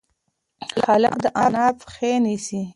هلک د انا پښې نیسي.